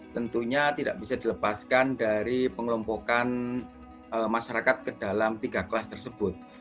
tentunya tidak bisa dilepaskan dari pengelompokan masyarakat ke dalam tiga kelas tersebut